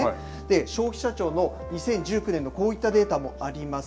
消費者庁の２０１９年のこういったデータもあります。